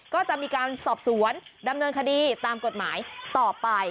ก็จะมีการสอบสวนดำเนินคดีตามกฎหมายต่อไป